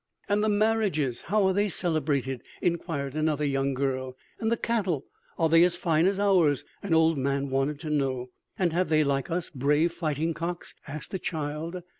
"And the marriages, how are they celebrated?" inquired another young girl. "And the cattle, are they as fine as ours?" an old man wanted to know. "And have they like us brave fighting cocks?" asked a child.